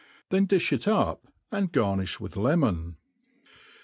Then difli it up, and garnifli with lemon.